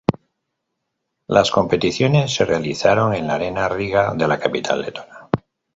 Las competiciones se realizaron en la Arena Riga de la capital letona.